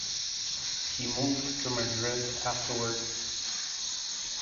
He moved to Madrid afterwards.